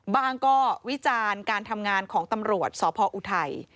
บ้างก็วิจารณ์การทำงานของตำรวจสพออุทัย